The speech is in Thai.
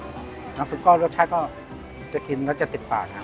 พร้าวน้ำซูกกอลรสชาติก็จะกินแล้วจะติดปลากครับ